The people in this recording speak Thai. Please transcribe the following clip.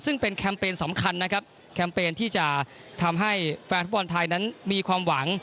ซึ่งเป็นแคมเปญสำคัญนะครับแคมเปญที่จะทำให้แฟนฟุตบอลไทยนั้นมีความหวัง